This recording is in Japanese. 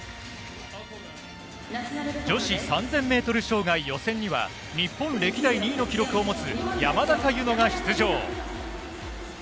女子３０００ｍ障害予選には日本歴代２位の記録を持つ山中柚乃が出場。